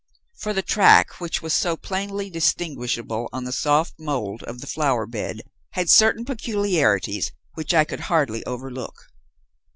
For the track which was so plainly distinguishable on the soft mould of the flower bed had certain peculiarities which I could hardly overlook.